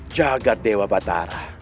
jagad dewa batara